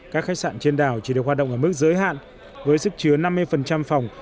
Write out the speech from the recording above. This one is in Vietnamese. các khách sạn trên đảo chỉ được hoạt động ở mức giới hạn với sức chứa năm mươi phòng